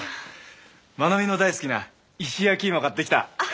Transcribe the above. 真奈美の大好きな石焼き芋買ってきた。